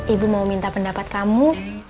ibu mau minta pendapat kamu